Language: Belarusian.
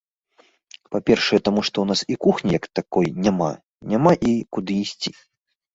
Па-першае, таму, што ў нас і кухні як такой няма, няма і куды ісці.